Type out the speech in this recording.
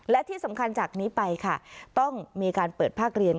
และที่สำคัญจากนี้ไปค่ะต้องมีการเปิดภาคเรียน